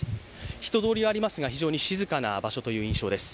人通りはありますが、非常に静かな場所という印象です。